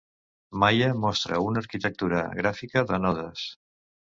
Maya mostra una arquitectura gràfica de nodes.